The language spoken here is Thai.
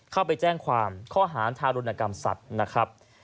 เข้าไปแจ้งความข้อหารทารุณกรรมสัตว์นะครับ